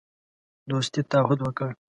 دوستی تعهد وکړ.